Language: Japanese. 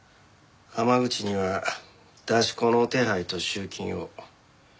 濱口には出し子の手配と集金を。